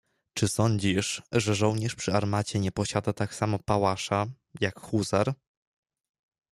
"Czy sądzisz, że żołnierz przy armacie nie posiada tak samo pałasza, jak huzar?"